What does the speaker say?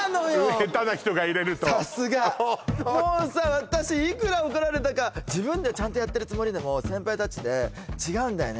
ヘタな人が入れるとさすがもうさ私いくら怒られたか自分ではちゃんとやってるつもりでも先輩達で違うんだよね